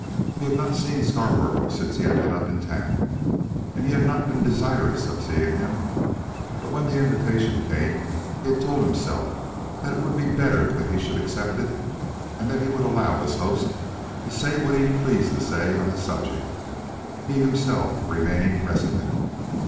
He had not seen Scarborough since he had been up in town, and had not been desirous of seeing him; but when the invitation came he had told himself that it would be better that he should accept it, and that he would allow his host to say what he pleased to say on the subject, he himself remaining reticent.